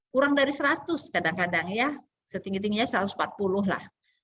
kurang dari seratus kadang kadang ya setinggi tingginya satu ratus empat puluh lah